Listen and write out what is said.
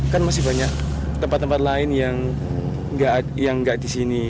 kan masih banyak tempat tempat lain yang nggak di sini